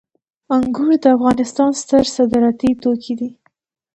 انګور د افغانستان ستر صادراتي توکي دي